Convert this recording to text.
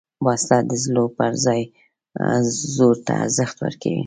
وسله د زړه پر ځای زور ته ارزښت ورکوي